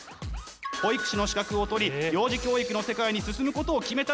保育士の資格を取り幼児教育の世界に進むことを決めたのです。